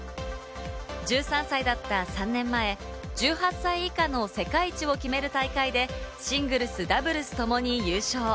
１３歳だった３年前、１８歳以下の世界一を決める大会でシングルス・ダブルスともに優勝。